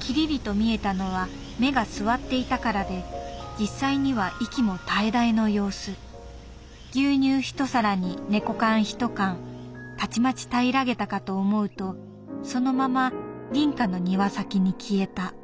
きりりと見えたのは目が据わっていたからで実際には息も絶え絶えの様子牛乳一皿に猫缶一缶たちまちたいらげたかと思うとそのまま隣家の庭先に消えた。